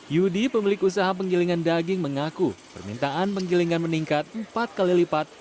yudi pemilik usaha penggilingan daging mengaku permintaan penggilingan meningkat empat kali lipat